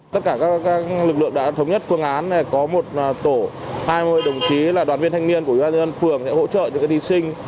tất cả các lực lượng đã thống nhất phương án có một tổ hai mươi đồng chí là đoàn viên thanh niên của ubnd phường sẽ hỗ trợ cho các thí sinh